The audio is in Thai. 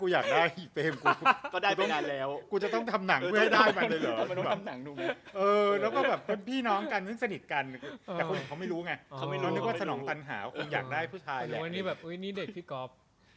ยังงี้เป็นอย่างโอ๊ยนี่เดทพี่ก๊อฟ